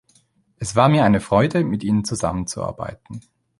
Es war mir eine Freude, mit Ihnen zusammenzuarbeiten.